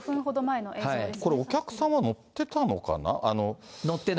これ、お客様、乗ってたのかな？